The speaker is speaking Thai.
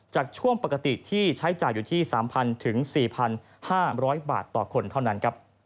ช่วงปกติที่ใช้จ่ายอยู่ที่๓๐๐๔๕๐๐บาทต่อคนเท่านั้น